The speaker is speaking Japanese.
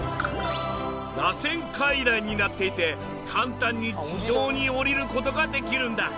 らせん階段になっていて簡単に地上に下りる事ができるんだ。